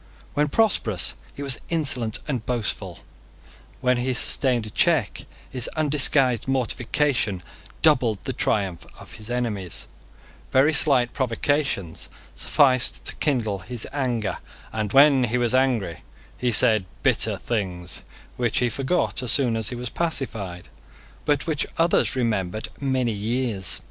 When prosperous, he was insolent and boastful: when he sustained a check, his undisguised mortification doubled the triumph of his enemies: very slight provocations sufficed to kindle his anger; and when he was angry he said bitter things which he forgot as soon as he was pacified, but which others remembered many years.